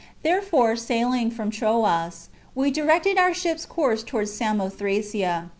There fore, sailing from Troas, we directed our ship's course towards Samothracia."